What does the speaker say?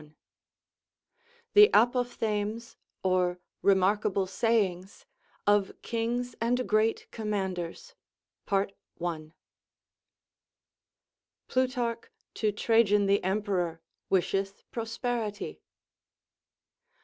J THE APOPHTHEGMS OR REMARKABLE SAYINGS OF KINGS AND GREAT COMMANDERS. PLUTARCH TO TRAJAN THE EMPEROR IVISHETH PROSPERITY.